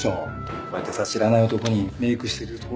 こうやってさ知らない男にメークしてるところ見られるの。